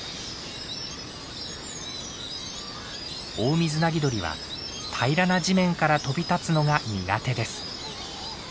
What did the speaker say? オオミズナギドリは平らな地面から飛び立つのが苦手です。